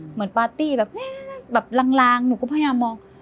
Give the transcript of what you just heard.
เหมือนปาร์ตี้แบบแบบแบบลางหนูก็พยายามมอง